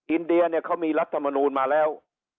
อินเดียเนี่ยเขามีรัฐมนูลมาแล้ว